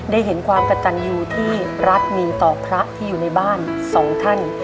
ได้เห็นความกระตันยูที่รัฐมีต่อพระที่อยู่ในบ้านสองท่าน